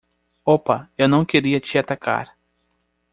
Opa, eu não queria te atacar!